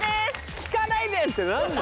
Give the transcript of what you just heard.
「聞かないで！」って何なんだ。